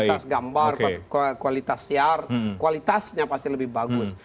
kualitas gambar kualitas siar kualitasnya pasti lebih bagus